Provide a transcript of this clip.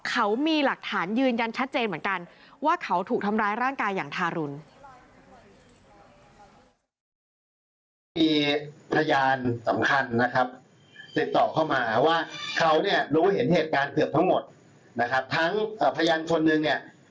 เขามีหลักฐานยืนยันชัดเจนเหมือนกันว่าเขาถูกทำร้ายร่างกายอย่างทารุณ